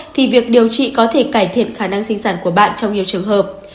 thì việc điều trị có thể cải thiện khả năng sinh sản của bạn trong nhiều trường hợp